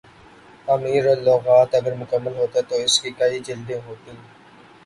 امیر اللغات اگر مکمل ہوتا تو اس کی کئی جلدیں ہوتیں